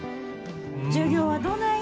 授業はどない？